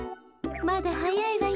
まだはやいわよ。